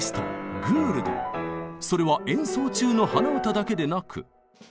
それは演奏中の鼻歌だけでなく。